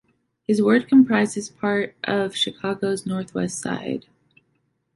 His ward comprises part of Chicago's Northwest Side.